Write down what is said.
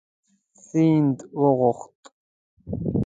سیند واوښت.